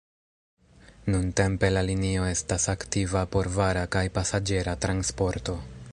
Nuntempe la linio estas aktiva por vara kaj pasaĝera transporto.